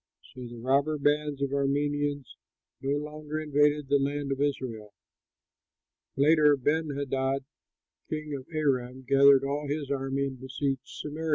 So the robber bands of Arameans no longer invaded the land of Israel. Later, Benhadad, king of Aram, gathered all his army and besieged Samaria.